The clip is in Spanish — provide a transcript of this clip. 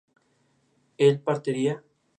¿él partiera?